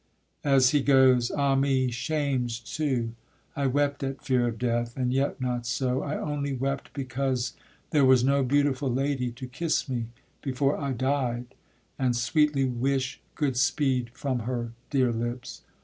[As he goes. Ah me! shamed too, I wept at fear of death; And yet not so, I only wept because There was no beautiful lady to kiss me Before I died, and sweetly wish good speed From her dear lips.